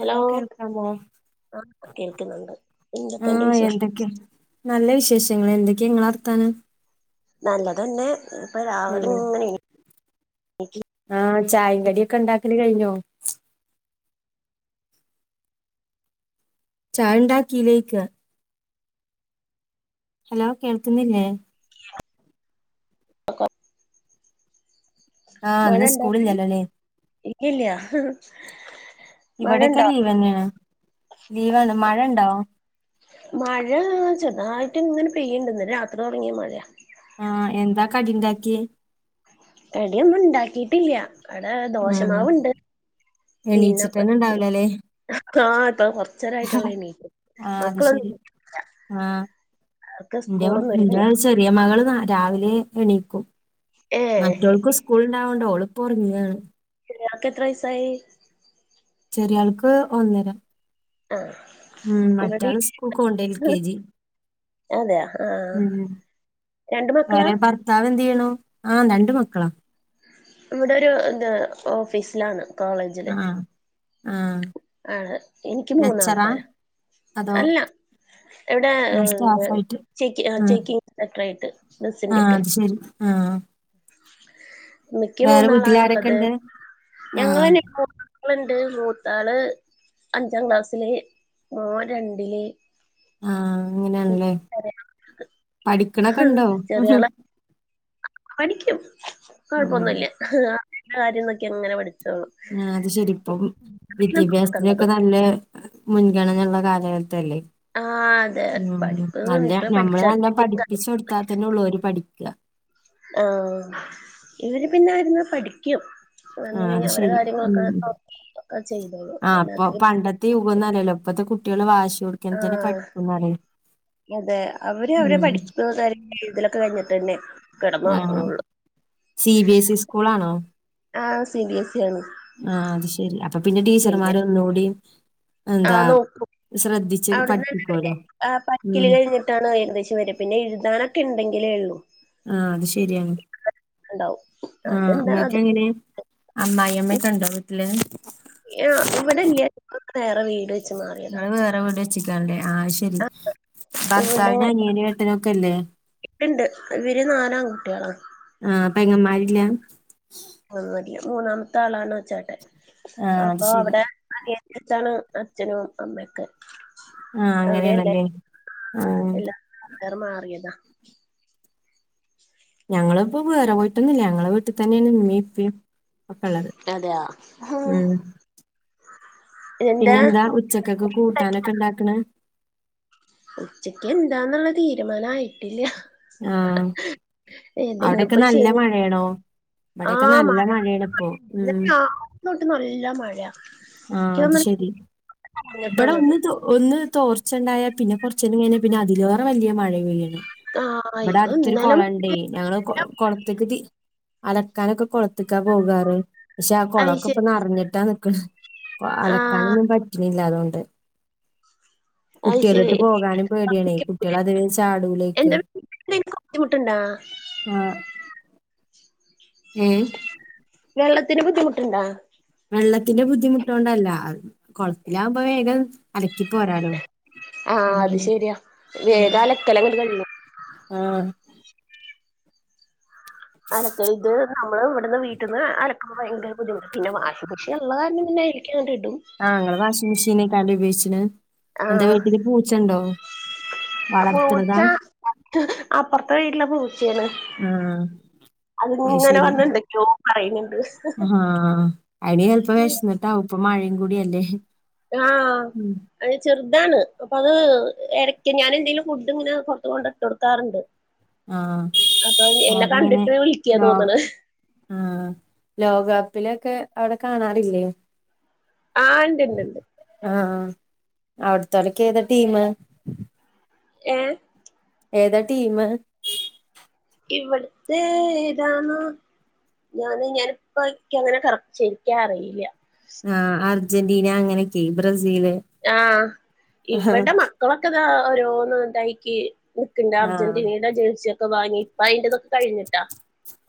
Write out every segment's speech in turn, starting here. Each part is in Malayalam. ഹലോ കേൾക്കാമോ. ആഹ, കേൾക്കുന്നുണ്ട് എന്തൊക്കെണ്ട് ആഹ് വിശേഷം. എന്തൊക്കെ നല്ല വിശേഷങ്ങൾ. എന്തൊക്കെ നിങ്ങളെ വർത്താനം. നല്ലതെന്നെ ഇപ്പൊ രാവിലെങ്ങനെ. ആഹ, ചായിം കടിയൊക്കെ ഉണ്ടാക്കല് കഴിഞ്ഞോ? ചായണ്ടാക്കിയിലേയ്ക്ക? ഹലോ കേൾക്കുന്നില്ലേ? [inaudible] ആഹ് ഇന്ന് മഴണ്ടാവടേ? സ്കൂളില്ലല്ലോല്ലേ ഇല്ലല്ല. ഇവിടൊക്കെ ലീവെന്നെയാണ്. ലീവാണ് മഴ ഉണ്ടോ? മഴ ചെർതായിട്ടിങ്ങനെ പെയ്യീണ്ട്. ഇന്നലെ രാത്രി തൊടങ്ങിയ മഴ ആഹ എ, ന്താ കടി ഇണ്ടാക്യെ. അടിയൊന്നും ഉണ്ടാക്കീട്ടില്ല. അവടെ ഉം ദോഷമാവുണ്ട്. പിന്നെപ്പ എണീച്ചിട്ടെന്നെ ഇണ്ടാവൂലല്ലേ ആ ഇപ്പൊ. ച്ചരായിട്ടുല്ലേണീ ആഹ് അത് മക്കളൊന്ന ശരി ആഹ് അവർക്ക് ഇന്റെ സ്കൂളൊന്നും ഇന്റെ ചെറിയ മകൾ രാവിലെ എണീക്കും. ഏഹ് മറ്റൊൾക്ക്. സ്കൂളുണ്ടാവുണ്ട് ഓളിപ്പം ഒറങ്ങാ. ആക്കെ എത്ര വയസായി? ചെറിയ ആൾക്ക് ഒന്നിനും. ആഹ, ഉം. മറ്റാള് സ്കൂൾക്ക്ക്കോണ്ട് എൽ. കെ. ജി. അതെയ ആഹ, രണ്ട് മക്കളാ? താവ് എന്ത് ചെയ്യുണു. ആഹ, രണ്ട് മക്കളാ. ഇവിടെ ഒരു ഇന്ത ഓഫീസിലാണ്. കോളേജില് ആഹ് ആഹ് ആണ് എനിക്ക് ലെക്ചറാ മൂന്നാൾക്കാര. അതോ? സ്റ്റാഫായിട്ട് ആഹ് ഇവിട ആഹ, നിക്ക് വീട്ടിൽ ആരൊക്കെ മൂന്നാളാണുള്ളത്. ഉണ്ട്? ആഹ് ഞങ്ങെലെന്നെ ളുണ്ട് മൂത്താള് അഞ്ചാം ക്ലാസ്സില് മോൻ രണ്ടില്. ആഹ, അങ്ങനെയാണ്ല്ലേ പഠിക്കണൊക്കെ ഉണ്ടോ? ചെറിയാള് പഠിക്കും ഉം കുഴപ്പൊന്നുല്ല. അ കാര്യം നോക്കി അങ്ങന പഠിക്കും. ആ, അത് ശരിപ്പം ഇപ്പഴാ നോക്കണ്ടത് വിദ്യാഭ്യാസത്തിനൊക്കെ നല്ല. മുൻഗണനയുള്ള കാലഘട്ടല്ലേ? ആ, അതെ. ഉം. പഠിപ്പ് നല്ല ഇപ്പ ഞമ്മള് പഠിച്ചാല് നല്ല പഠിപ്പിചൊടുത്താൽ തന്നെ ഉള്ളൂ ഓല് പഠിക്ക. ആഹ, ഇവര് പിന്നൊയിരുന്നു പഠിക്കും. വന്ന് ആഹ് കഴിഞ് അത് അവരെ ശരി കാര്യങ്ങളൊക്കെ ഉം ഒക്കെ ചെയ്തുള്ളു. ആ അപ്പൊ പണ്ടത്തെ യുഗംന്നല്ലല്ലോ ഇപ്പഴത്തെ കുട്ട്യേള് വാശി കൊടുക്കണ ആഹ് അതെ അവര് അവരെ പഠിക്കുന്ന കാര്യ ഇതിലൊക്കെ കഴിഞ്ഞിട്ട് തന്നെ. ആ കെടന്നൊറങ്ങുണുള്ളൂ. സി. ബി. എസ്. സി സ്കൂളാണോ? ആ, സി. ബി. എസ്. സി ആണ്. ആ അത് ശെരി അപ്പ പിന്നെ ടീച്ചർമാർ ഒന്നുംകൂഡി ആഹ, നോക്കൂ അവിടുന്ന്ന്നെ പഠിപ്പിക്കുവല്ലോ പക്കിൽ ഉം കഴിഞ്ഞു ഇട്ട ഏകദേശം വരെ പിന്നെ എഴുതാനൊക്കെ ഉണ്ടങ്കിലേ ഉള്ളൂ. ആഹഅത് ശരിയാണ്ആഹ ഉണ്ടാവും അത്ണ്ട് അത് ഇങ്ങക്കെങ്ങനെ അമ്മായി അമ്മക്കെഉണ്ടാവീട്ട്ല് ആ ഇവിടെല്ല വേറെ വീട് വെച്ച് മാറിയതാ നിങ്ങള് ആഹ് [unintelligible] ഇവിടെ ഭർത്താവിന് അനിയനും ഏട്ടനൊക്കെ ഇല്ലേ ഇണ്ട് ഇണ്ട് ഇവര് നാലാംആൺ കുട്ടികളാ ആഹ പെങ്ങമ്മാരില്ല [unintelligible] മൂന്നാമത്തെ ആളാണ് ചേട്ടൻ. ആ അത് അപ്പൊ ശരി അവിടെ [unintelligible] അച്ഛനും അമ്മയൊക്ക ആഹ അങ്ങനെയണല്ലേ ആഹ [unintelligible] മാറിയതാ ഞങ്ങളിപ്പോ വേറെ പോയിട്ടൊന്നുമില്ല ഞങ്ങളെ വീട്ടിൽ തന്നെയാണ് ഇമ്മിഇപ്പയും ഒക്കെ ഉള്ളത് അതെയഉഹു ഉം പിന്നെന്താ ഉച്ചക്കൊക്കെ കൂട്ടാനൊക്കെ ഇണ്ടാക്കണ ഉച്ചക്ക് എന്താന്നുള്ള തീരുമാനം ആയിട്ടില്ല ആഹ് അവിടെ ക്കെ ഇന്നിപ്പോ നല്ല ശനി മഴയാണോ ഇവിടെക്കെ ആഹ് നല്ല മഴയാണ ഇപ്പോ ഉം ഇന്നോട്ട് നല്ല മഴയ ആഹ അത് ശരി ഇവിടെ പറഞ്ഞിട്ടുള്ളത് ഒന്ന്ത് ഒന്ന് തോർച്ച ഉണ്ടായാ പിന്നെ കൊറച്ചന്ന കഴിഞ്ഞാ പിന്നെ അതിലേറെ വലിയ മഴ പെയ്യാണ് ആഹ് ഇവിടെ ഇത് അടുത്തൊരു ഇന്നലെ കൊള ഉണ്ടേ ഞങ്ങള് കൊളത്തക്ക് തി അലക്കാനൊക്കെ കൊളത്തക്കാ പോകാറ് പക്ഷെ ആ കുളക്കെപ്പൊ അയ്ശരി നിറിഞ്ഞിട്ടാ നിക്കണ് ആഹ് അലക്കനെന്നു പറ്റണില്ല അതുകൊണ്ട് അയ്ശരി കുട്ടികളിട്ട് പോകാനും പേടിയണേ കുട്ടികൾ അതിലു ചാടൂലേക്ക് എന്റെ ബുദ്ധിമുട്ടുണ്ടാ ആഹ് ഏ വെള്ളത്തിന് ബുദ്ധിമുട്ട് ഉണ്ടാ വെള്ളത്തിന്റെ ബുദ്ധിമുട്ടുകണ്ടല്ല കുളത്തിലകുമ്പോ വേഗം അലക്കി പോരാലോ ആഹ് അത് ശരിയാ വേഗം അലക്കലങ്ങട് കഴിയണം ആഹ് അലക്കൾ ഇത് നമ്മള് ഇവിടുന്ന് വീട്ടിൽ നിന്ന് അലക്കുമ്പോ ഭയങ്കര ബുദ്ധിമുട്ട് പിന്നെ വാഷിംഗിമെഷീൻ ഉള്ള കാരണം തന്നെയായിരിക്കും ആഹ് നിങ്ങൾ വാഷിംഗ് മെഷീനെ ഉപയോഗിച്ചന്ന് എന്റെ ആഹ് വീട്ടില് പൂച്ചുണ്ടോ ആ പൂച്ച വളർത്തണതാ [unintelligible] അപ്പുറത്തെ വീട്ടില പൂച്ചാണ് ആ അത് അതിങ്ങനെ ശരി വന്നണ്ടൊക്കെയോ പറയുന്നുണ്ട് ആ അയിന് ചിലപ്പോ വിശന്നിട്ടാവും ഇപ്പ മഴയും കൂടിയല്ലേ ആഹ് ഉം. അത് ചെറുതാണ് അപ്പ അത് ഇടക്ക് ഞാൻ എന്തെങ്കിലും ഫുഡ് ഇങ്ങനെ പുറത്ത് കൊണ്ട് ഇട്ട് കൊടുക്കാറുണ്ട് ആഹ അപ്പൊ എന്നെ അവിടെങ്ങനെ കണ്ടിട്ട് വിളിക്കാ ലോ തോന്നണ് ആഹ ലോകകപ്പിലൊക്കെ അവിടെ കാണാറില്ലേ ആഹ് ഉണ്ട്ണ്ട് ഉണ്ട് ആഹ് അവിടുത്തോലൊക്കെ ഏതാ ടീം ഏ ഏതാ ടീം ഇവിടത്തെ ഏതാണ് ഞാന് ഞാനിപ്പ ക്കങ്ങനെ കറക്റ്റ് ശെരിക്കറില്ല ആ അർജന്റീന അങ്ങനെക്കെ ബ്രസീല് ആ ആ ഇവടെ മക്കളൊക്കെ താ ഓരോന്ന്തായിക്ക് ക്ക്ണ്ട് ആഹ് അർജന്റീനയുടെ ജേഴ്സിയൊക്കെ വാങ്ങി പ്പയ്ന്റതൊക്കെ കഴിഞ് ട്ടോ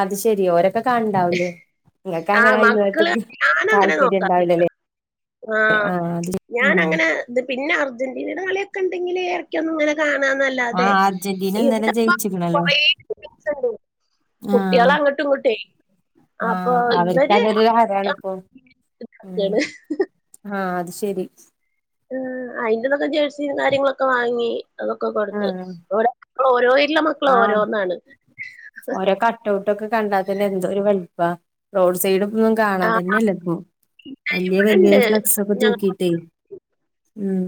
അത് ശെരി ഓരെ ക്ക കാൺണ്ടാവൂലേ നിങ്ങക്കങ്ങനെ ആഹ് ഒട്ടും മക്കള് ഞാനങ്ങനെ നോക്കാറില്ല താല്പര്യണ്ടാവൂലല്ലേ ആ അത് ഉം ത് പിന്നെ അർജന്റീനേടെ കളിയൊക്കെണ്ടെങ്കില് ന്നങ്ങനെ കാണാന്നല്ലാതെ ആഹ് അർജന്റീന ഇന്നലെ ജയിച്ചിക്കണല്ലോ ഇവിടെകുറെ കുട്ട്യാള് അങ്ങോട്ടും ഇങ്ങോട്ടേ ആ അവർക്കതൊരു ഹരാണ്പ്പൊ ഉം ക്കാണ് ആ അത് ശെരി ആ അയിന്റെതൊക്കെ ജേഴ്സിയും കാര്യങ്ങളൊക്കെ വാങ്ങി അതൊക്കെ കൊടുത്തു ആഹ് ഇവിടെ ഓരോ ഇല്ല ആഹ് മക്കളോരോന്നാണ് ഓരോ കട്ട് ഔട്ടൊക്കെ കണ്ടാത്തെന്നെ എന്തോര് വെൽപ്പ റോഡ് സൈഡും ഒന്നും കാണാ ആഹ് തന്നെല്ല പ്പൊ വല്യ വല്യ ഇവടെണ്ട് ഫ്ലക്സൊക്കെ ഞങ്ങ തൂക്കിട്ടേ ഉം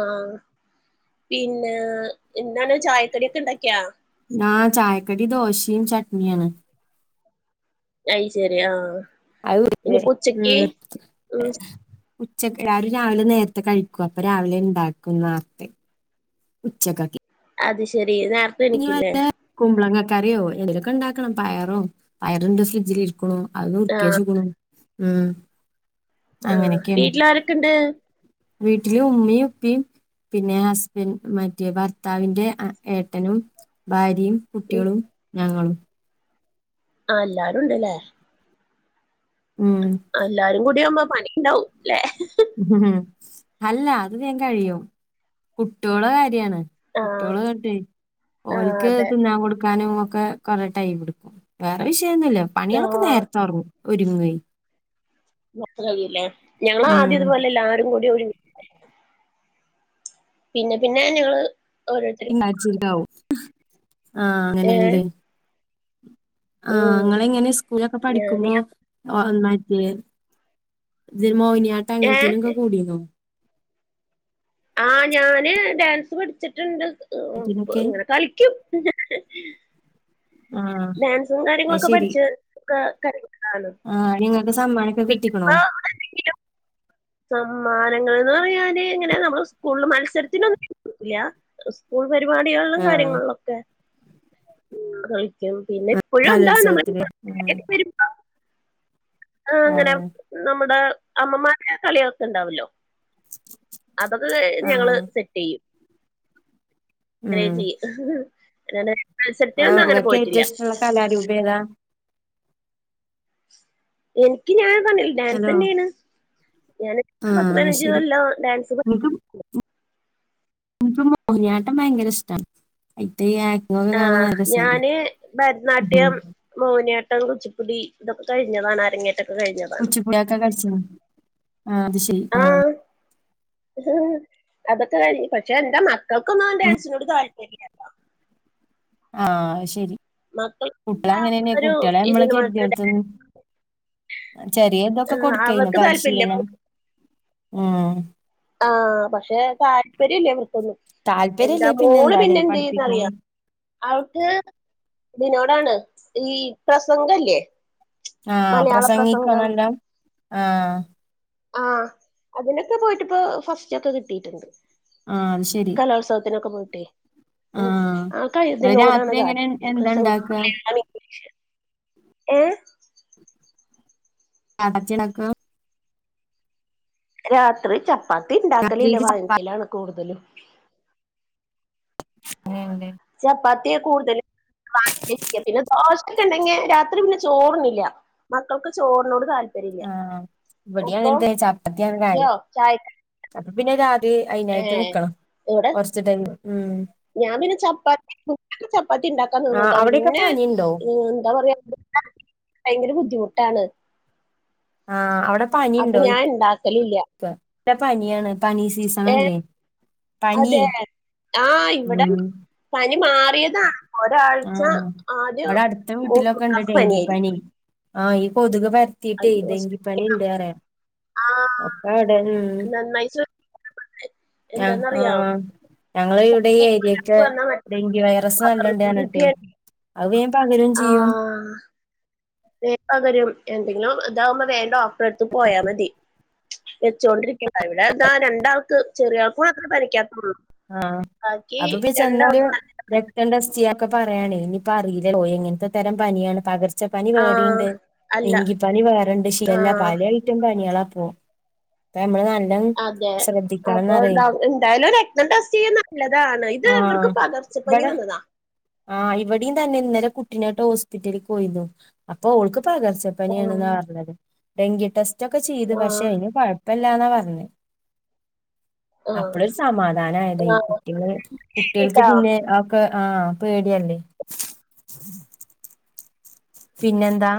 ആ പിന്നെ എന്താണ് ചായക്കടി ഒക്കെ ണ്ടാക്ക്യോ ആ ചായക്കടി ദോശേം ചട്നിയാണ് അത് ശെരി ആ ഉം [unintelligible] ഉച്ചക്ക് അവര് രാവിലെ നേരത്തെ കഴിക്കും അപ്പൊ രാവിലെ ണ്ടാക്കും നാർത്തെ ഉച്ചകക്കി അത് ശെരി നേർ ഇനി വല്ലെ കുമ്പള ക്കറിയോ എന്തൊക്കെ ണ്ടാക്കണം പയറോ പയറ്ണ്ട് ഫ്രിഡ്ജിലിരി ക്കുണു അത് ആഹ് നുർക്കിവെച്ച്ക്കുണു ആ വീട്ടിലാരൊക്കെണ്ട് വീട്ടില് ഉമ്മേം ഉപ്പി പിന്നെ ഹസ്ബൻഡ് മറ്റേ ഭർത്താവിന്റെ ഏട്ടനും ഭാര്യയും ഉം കുട്ട്യാളും ഞങ്ങളും ആ എല്ലാരുണ്ട്ല്ലേ ഉം അ എല്ലാരും കൂടി ആവുമ്പോ പണിണ്ടാവുംല്ലെ അല്ല അത് വേം കഴിയും കുട്ട്യോളെ കാര്യാണ് ആഹ് കുട്ട്യോളെ [unintelligible] ഓൽ ആഹ് ക്ക് അതെ തിന്നാൻ കൊടുക്കാനും ഒക്കെ കൊറെ ടൈമ്ട്ക്കും വേറെ വിഷയൊന്നുല്ല പണിയാളൊക്കെ ആഹ് നേരത്തെറങ്ങു ഒരുങ്ങേ [unintelligible] ഉം ഞങ്ങളാദ്യം ഇത് പോലെ എല്ലാരും കൂടി ഒ പിന്നെ പിന്നെ ഞങ്ങള് ഓരോരുത്തര് [unintelligible] ആ ഏഹ് അങ്ങനെണ്ല്ലേ ആ ഉം നിങ്ങളെങ്ങനെ സ്കൂളൊക്കെ ഞാന് പഠിക്കുമ്പോ [unintelligible] മോഹിനിയാട്ടം ഏഹ് അങ്ങൻത്തേനൊക്കെ കൂടിന്നോ ആ ഞാന് ഡാൻസ് പഠിച്ചിട്ട്ണ്ട് ഇതിനൊക്കെ ഇങ്ങനെ കളിക്കും ആഹ് ഡാൻസും അത് കാര്യങ്ങളൊക്കെ പഠിച്ചക്ക [unintelligible] ആ അയ്ന് ഇങ്ങക്ക് സമ്മാനൊക്കെ കിട്ടിക്കണോ [unintelligible] [inaudible] മ്മാനങ്ങൾന്ന് പറയാന് ങ്ങനെ നമ്മള് സ്കൂള് മത്സരത്തിനൊന്നും കിട്ടിട്ടില്ല സ്കൂൾ പരിപാടികളിലും ആഹ് കാര്യങ്ങളിലൊക്കെ [unintelligible] പിന്നെ ഇപ്പഴുണ്ടാവും നമ്മക്ക് കലോത്സവത്തിന് ആഹ് [unintelligible] ആ അങ്ങനെ ആഹ് നമ്മുടെ അമ്മമാരുടെ കളിയൊക്കെണ്ടാവല്ലോ അതൊക്കെ ഞങ്ങള് ആഹ് സെറ്റെയ്യും അങ്ങനെയാ ഉം ചെയ്യ മത്സരത്തിനൊന്നും അങ്ങനെ പോയിട്ടില്ല അല്ലാടി ഉപേതാ എനിക്ക് ഞാൻ തന്നേ ഡാൻസ് ഹലോ തന്നെയാണ് ഞാൻ പത്ത് ആഹ് പതിനഞ്ച് ശരി കൊല്ലോ ഡാൻസ് നമുക്ക് മോഹിനിയാട്ടം ഭയങ്കര ഇഷ്ടമാണ് [unintelligible] ആഹ് ഞാന് ഭരതനാട്യം മോനിയാട്ടം കുച്ചിപ്പുടി ഇതൊക്കെ കഴിഞ്ഞതാണ് അരങ്ങേറ്റൊക്കെ കഴിഞ്ഞതാണ് കുച്ചിപ്പൂടിയൊക്കെ കഴിച്ച്ന് ആഹ് അത് ശെരി ആ ഉം അതൊക്കെ കഴിഞ്ഞു പക്ഷെ എന്റെ മക്കൾക്കൊന്നും ഡാൻസിനോട് താല്പര്യമില്ലാട്ടോ ആഹ് ശരി മക്കൾ കുട്ടികള് അങ്ങനെ തന്നെയാ കുട്ടികളെ നമ്മളൊക്ക ചെറിയ ഇതൊക്കെ കൊടുക്കേനു അവർക്ക് താല്പര്യ പരിശീലനം ഉം ആഹ് പക്ഷെ താല്പര്യം ഇല്ലേ ഇവർക്കൊന്നും എന്റെ താല്പര്യല്ലേ മോള് എന്താലേ പിന്നെ എന്ത് പഠിപ്പിക്കുണു ചെയ്യ്ന്നറിയാവോ അവ്ക്ക് ഇതിനോടാണ് ഈ പ്രസംഗല്ലേ ആഹ് മലയാള പ്രസംഗം പ്രസംഗിക്കുന്നുണ്ടോ ആഹ് ആഹ് അതിനൊക്കെ പോയിട്ട്പ്പോ ഫസ്റ്റൊക്ക കിട്ടീട്ടുണ്ട് ആഹ് അത് ശരി കലോത്സവത്തിനൊക്കെ പോയിട്ടേ ആ ഉം ഇങ്ങള് ആകഴ്തിനോടാണ് രാത്രി എങ്ങനെ താത്പര്യം എന്താ പ്രസംഗം ഇണ്ടാക്ക [unintelligible] മലയാള ഇംഗ്ലീഷ്.... ഏഹ് അടച്ചിടക്ക് രാത്രി ചപ്പാത്തി ഉണ്ടാക്കലില്ല രാത്രിയില് ചപ്പാത്തി വാങ്ങിക്കലാണ് കൂടുതലും അങ്ങനെ ഉണ്ടേ ചപ്പാത്തിയാ കൂടുതൽ വാങ്ങ പിന്നെ ദോശൊക്കെ ഉണ്ടെങ്കി രാത്രി പിന്നെ ചോറ്ന്നില്ല മക്കൾക്ക് ചോറിനോട് താൽപര്യം ആഹ് ഇവിടെയാണ് എന്ക് ചപ്പത്തിയാണ് കാര്യം ചായ അപ്പൊ പിന്നെ.... ഏ അയിനായിട്ട് നിക്കണം ഇവിടെ കൊറച്ച് ടൈം ഉം ഞാൻ പിന്നെ ചപ്പാത്തി കുക്കറിൽ ചപ്പാത്തി ഉണ്ടാക്കാൻ ആഹ് നിന്നൂട്ടാ അവിടെയൊക്കെ പിന്നെ പനിയുണ്ടോ എന്താ പറയാ. ഭയങ്കര ബുദ്ധിമുട്ടാണ്. ആഹ് അവിടെ പനി ഉണ്ടോ. ഉണ്ടാക്കല് ഇല്ല. ഇല്ല പനിയാണ് പനി സീസണ് അല്ലേ പനി. അതെ ആ ഇവിട. പനി മാറിയതാ ഒരാഴ്ച ആഹ് ആദ്യം ഇവിടെ അടുത്ത വീട്ടിലൊക്കെ മൂക്ക്ക് ഉണ്ട് പനിയായിരിക്കും. ഡെങ്കിപ്പനി ആഹ് ഈ കൊതുക് പരത്തിട്ടേ ഈ അയ്യോ ടെങ്കിപ്പനി ഇണ്ട്. ആ അപ്പ അവിടെ ഉം നന്നായി ശ്ര- ആഹ് എന്താന്നറിയാം ആഹ് ഞങ്ങള് ഇവിടെ ഈ ഏരിയക്ക പകർപ്പ് വന്നാൽ മറ്റേ ഡെങ്കി വൈറസ് നല്ലോണ്ടാ പകർന്നുകൊണ്ടിരിക്കുകയാണ് അത് വേം പകരേം ചെയ്യും. ആഹ്. പകരും എന്തെങ്കിലും ഇതാവുമ്പൊ വേം ഡോക്ടറടുത്ത് പോയാ മതി. വെച്ചൊണ്ടിരിക്കണ്ടാ ഇവിടെ ഈ രണ്ടാൾക്ക് ചെറിയ ആൾക്കൂടി അത്ര പനിക്കാത്ത. ആഹ് അപ്പൊ ഇപ്പ ചെന്നോര്. രണ്ടാൾക്ക് നല്ല- രക്തം ടെസ്റ്റ് ചെയ്യൊക്കെ പറയാണ് ഇനിപ്പ അറിയില്ല ഓ എങ്ങനത്തെ തരം പനിയാണ് പക പച്ച പനി ആ വേയറ്ണ്ട് അല്ല ഡെങ്കി പനി വേയറുണ്ട് ആ ഷിഗല്ലാ പല ഐറ്റം പനികളാ പോ..... അപ്പ നമ്മള നാടിന്റ നല്ല.... അതെ അപ്പൊ ശ്രദ്ധിക്കണംന്നറയ് എന്തായാലും. എസ് നല്ലതാണ് ഇത് ആഹ് ഇവർക്ക് പകർച്ചപ്പനി ഇബടെ പനിയാണ്. ആഹ് ഇവിടെയും തന്നെ ഇന്നലെ കുട്ടിനായിട്ട് ഹോസ്പിറ്റലിൽ പോയിരുന്നു അപ്പൊ അവൾക്ക് പകർച്ച. ആ പനിയാണ് ന്നാ അർഞ്ഞത് ഡെങ്കി ടെസ്റ്റ് ഒക്കെ ചെയ്ത് ആ പഷേ അയ്ന് കൊ യ്പ്പല്ലാന്നാ പർഞ്ഞേ ആഹ് അപ്പളരു സമാ പ്രനായതേ ഈ ആഹ് കുട്ടികൾ കുട്ട്യാൾക്ക് ട്ടോ പിന്നെ ആ ആഹ് പേടിയല്ലേ. പിന്നെന്താ